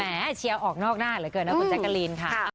เชียร์ออกนอกหน้าเหลือเกินนะคุณแจ๊กกะลีนค่ะ